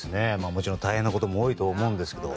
もちろん大変なことも多いと思うんですけど。